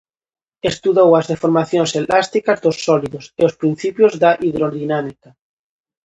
Estudou as deformacións elásticas dos sólidos e os principios da hidrodinámica.